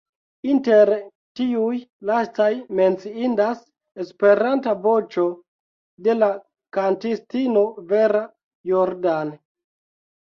Inter tiuj lastaj menciindas "Esperanta Voĉo", de la kantistino Vera Jordan.